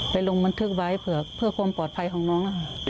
ลงบันทึกไว้เผื่อความปลอดภัยของน้อง